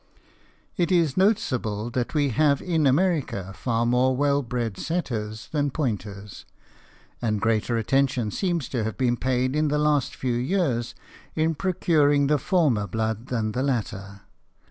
It is noticeable that we have in America far more well bred setters than pointers, and greater attention seems to have been paid in the last few years in procuring the former blood than the latter.